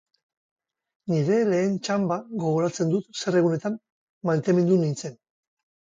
Nire lehen txanba, gogoratzen dut zer egunetan maitemindu nintzen.